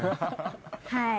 はい。